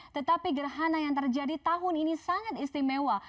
tetapi gerhana yang terjadi tahun ini sangat istimewa